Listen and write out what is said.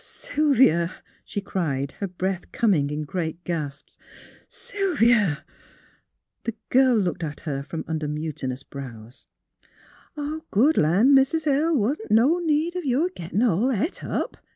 '' Sylvia! " she cried, her breath coming in great gasps. " Sylvia! " The girl looked at her from under mutinous brows. " Good land. Mis' Hill, th' wasn't no need of your gittin' all het up!